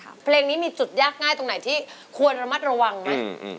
เพราะว่าเพลงนี้มีจุดยากง่ายตรงไหนที่ควรระมัดระวังไหม